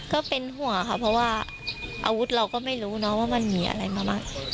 ก็เป็นห่วงค่ะเพราะว่าอาวุธเราก็ไม่รู้นะว่ามันหนีอะไรมาบ้าง